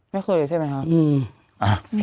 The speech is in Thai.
ไม่เคยใช่ไหมครับ